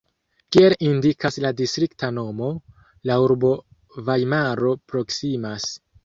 Kiel indikas la distrikta nomo, la urbo Vajmaro proksimas.